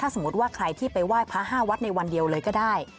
ถ้าสมมติว่าใครที่ไปว่าพระห้าวัดในวันเดียวเลยก็ได้